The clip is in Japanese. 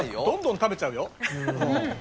どんどん食べちゃうよ。